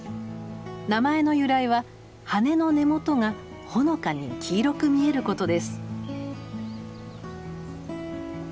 名前の由来は羽の根元がほのかに黄色く見えることです。